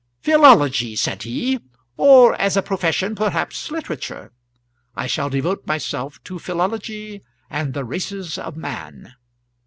"Philology," said he; "or as a profession, perhaps literature. I shall devote myself to philology and the races of man.